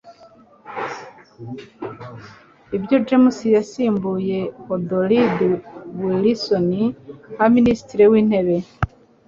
Ibyo James yasimbuye Harold Wilson nka Minisitiri w’intebe